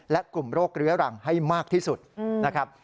และกลุ่มโรคเรื้อรังให้มากที่สุดนะครับ